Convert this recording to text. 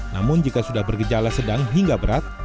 namun jika sudah bergejala sedang hingga berat